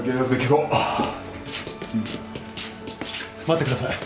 待ってください。